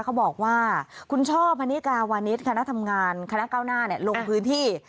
เขาบอกว่าคุณช่อพนิกาวานิสคณะทำงานคณะเก้าหน้าลงพื้นที่